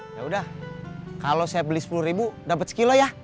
yaudah kalau saya beli sepuluh ribu dapet satu kilo ya